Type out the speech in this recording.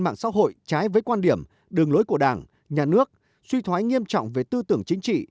mạng xã hội trái với quan điểm đường lối của đảng nhà nước suy thoái nghiêm trọng về tư tưởng chính trị